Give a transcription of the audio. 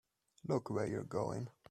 Look where you're going!